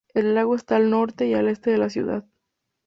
El lago está al norte y al este de la ciudad.